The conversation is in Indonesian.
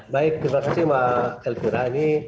baik terima kasih mbak elvira ini